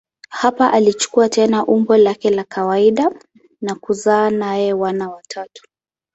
Hapa alichukua tena umbo lake la kawaida na kuzaa naye wana watatu.